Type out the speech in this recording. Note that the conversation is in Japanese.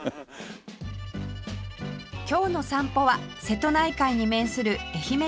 今日の散歩は瀬戸内海に面する愛媛県今治市